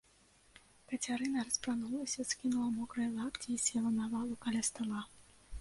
Кацярына распранулася, скінула мокрыя лапці і села на лаву каля стала.